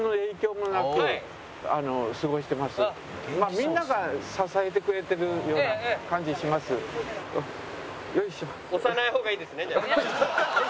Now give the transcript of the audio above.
みんなが支えてくれてるような感じします。